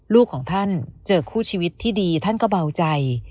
ลูกของท่านเจอคู่ชีวิตที่ดีท่านก็เบาใจ